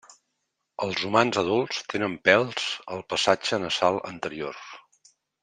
Els humans adults tenen pèls al passatge nasal anterior.